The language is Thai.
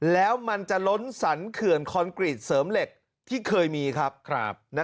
แล้วมันจะล้นสรรเขื่อนคอนกรีตเสริมเหล็กที่เคยมีครับ